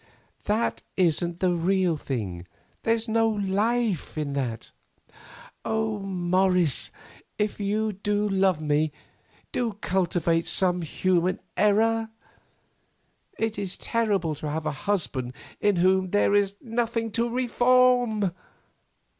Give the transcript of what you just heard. That isn't the real thing, there's no life in that. Oh, Morris, if you love me, do cultivate some human error. It is terrible to have a husband in whom there is nothing to reform."